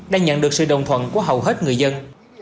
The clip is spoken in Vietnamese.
đang nhận được sự đồng thuận của hầu hết người dân